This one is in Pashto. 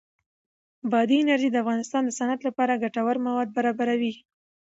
بادي انرژي د افغانستان د صنعت لپاره ګټور مواد برابروي.